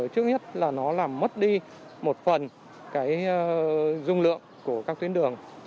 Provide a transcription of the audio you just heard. trước nhất là nó làm mất đi một phần dung lượng của các tuyến đường